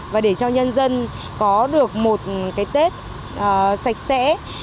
và để cho nhân dân có được một cái tết sạch sẽ